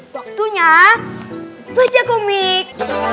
waktunya baca komik